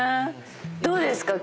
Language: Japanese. どうですか？